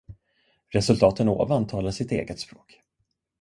Resultaten ovan talar sitt eget språk.